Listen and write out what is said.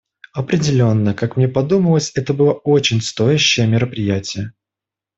Определенно, как мне подумалось, это было очень стоящее мероприятие.